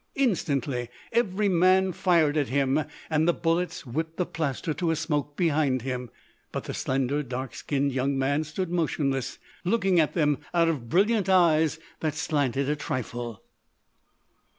Instantly every man fired at him and the bullets whipped the plaster to a smoke behind him, but the slender, dark skinned young man stood motionless, looking at them out of brilliant eyes that slanted a trifle.